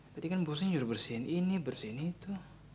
tadi kan bosnya nyuruh bersihin ini bersihin itu